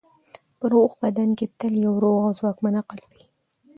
په روغ بدن کې تل یو روغ او ځواکمن عقل وي.